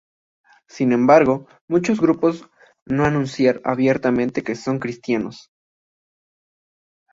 Sin embargo, muchos grupos no anunciar abiertamente que son cristianos.